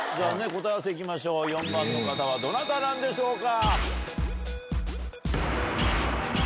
答え合わせいきましょう４番の方はどなたでしょうか？